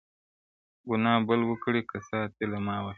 ګناه بل وکړي کسات یې له ما خېژي,